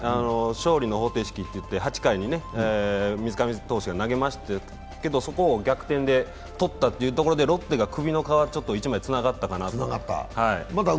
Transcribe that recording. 勝利の方程式といって８回に水上投手が投げましたけど、そこを逆転でとったからロッテが首の皮ちょっとつながったかなと。